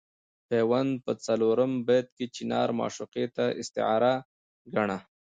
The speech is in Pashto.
پیوند په څلورم بیت کې چنار معشوقې ته استعاره ګاڼه.